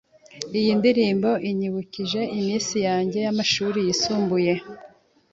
Iyi ndirimbo inyibukije iminsi yanjye y'amashuri yisumbuye.